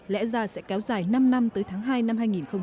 lẽ ra sẽ kéo dài năm năm tới tháng hai năm hai nghìn một mươi tám